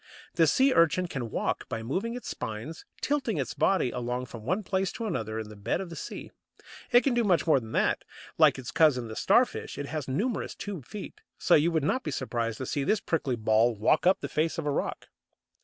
The Sea urchin can walk by moving its spines, tilting its body along from one place to another on the bed of the sea. It can do much more than that. Like its cousin the Starfish, it has numerous tube feet, so you would not be surprised to see this prickly ball walk up the face of a rock.